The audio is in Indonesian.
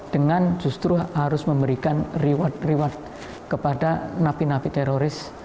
dengan justru harus memberikan reward reward kepada napi napi teroris